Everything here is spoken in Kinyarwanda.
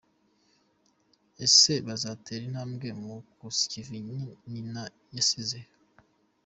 Ese bazatera intambwe mu kusa ikivi nyina yasize?.